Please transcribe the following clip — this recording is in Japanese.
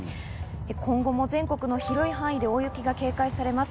今後も全国の広い範囲で大雪が警戒されます。